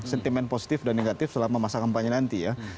sentimen positif dan negatif selama masa kampanye nanti ya